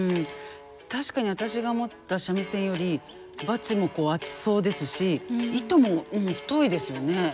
確かに私が持った三味線よりバチも厚そうですし糸も太いですよね。